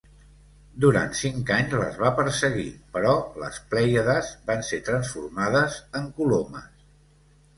Durant cinc anys les va perseguir, però les Plèiades van ser transformades en colomes.